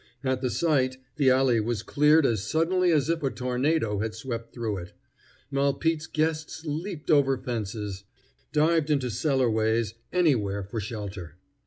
At the sight the alley was cleared as suddenly as if a tornado had swept through it. Malpete's guests leaped over fences, dived into cellarways, anywhere for shelter.